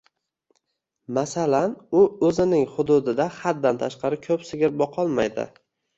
Masalan, u o‘zining hududida haddan tashqari ko‘p sigir boqolmaydi